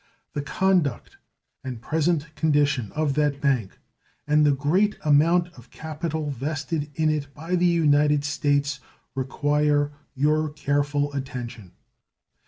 The conduct and present condition of that bank and the great amount of capital vested in it by the United States require your careful attention.